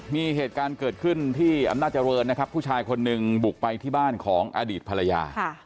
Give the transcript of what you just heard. มีเหตุการณ์เกิดขึ้นที่อำนาจเจริญนะครับผู้ชายคนหนึ่งบุกไปที่บ้านของอดีตภรรยา